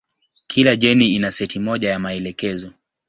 Kila jeni ina seti moja ya maelekezo.